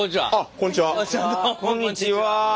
こんにちは。